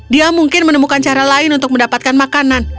dia mungkin menemukan cara lain untuk mendapatkan makanan